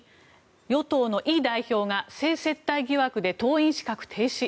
２与党のイ代表が、性接待疑惑で党員資格停止。